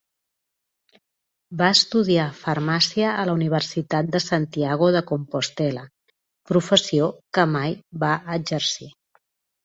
Va estudiar Farmàcia a la Universitat de Santiago de Compostel·la, professió que mai va exercir.